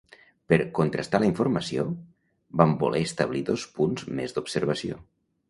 Per contrastar la informació, van voler establir dos punts més d'observació.